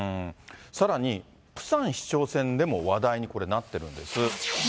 さらにプサン市長選でも話題にこれ、なってるんです。